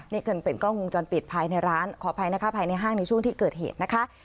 นี่ขึ้นเป็นกล้องวงจรปิดภายในร้านขออภัยนะคะภายในห้างในช่วงที่เกิดเหตุนะคะ